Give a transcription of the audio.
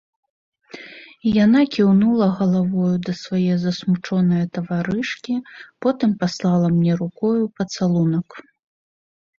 Яна кіўнула галавою да свае засмучонае таварышкі, потым паслала мне рукою пацалунак.